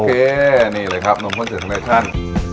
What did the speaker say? โอเคนี่เลยครับนมข้นสือนมเน็ตชั่น